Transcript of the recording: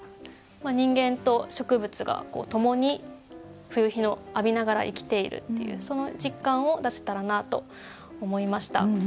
人間と植物がともに冬陽を浴びながら生きているっていうその実感を出せたらなと思いました。